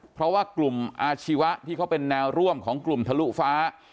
เพราะว่ากลุ่มอาชีวะที่เขาเป็นแนวร่วมของกลุ่มทะลุฟ้า